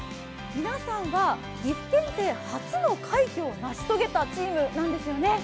皆さんは岐阜県で初の快挙を成し遂げたチームなんですよね。